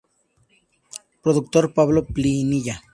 Productor: Pablo Pinilla.